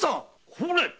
これ！